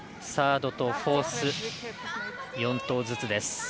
サードとフォース４投ずつです。